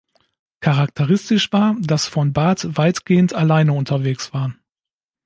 Charakteristisch war, dass von Barth weitgehend alleine unterwegs war.